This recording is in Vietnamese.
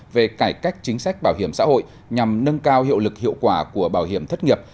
về cải cách chính sách bảo hiểm xã hội nhằm nâng cao hiệu lực hiệu quả của bảo hiểm thất nghiệp